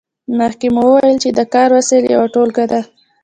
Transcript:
مخکې مو وویل چې د کار وسایل یوه ټولګه ده.